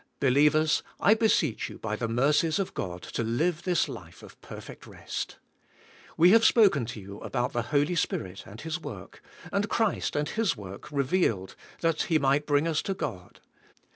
Believers, I beseech you by the mercies of God to live this life of perfect rest. We have spoken to you about the Holy Spirit and His work, and Christ and His work revealed that He might bring us to God.